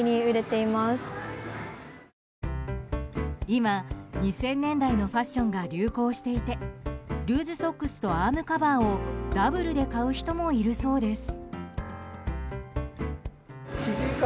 今、２０００年代のファッションが流行していてルーズソックスとアームカバーをダブルで買う人もいるそうです。